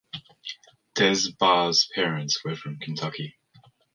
Des Barres' parents were from Kentucky.